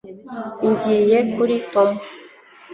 Ngiye kuri Tom